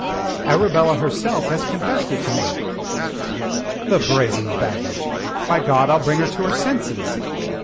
"Arabella herself has confessed it to me." "The brazen baggage! By God, I'll bring her to her senses."